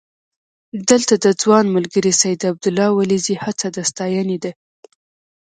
دلته د ځوان ملګري سید عبدالله ولیزي هڅه د ستاینې ده.